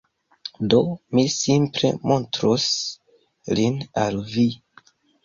Do, mi simple montros lin al vi